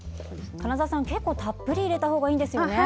金沢さん、結構たっぷり入れたほうがいいんですよね？